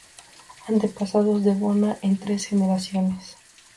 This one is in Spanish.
Antepasados de Bona en tres generaciones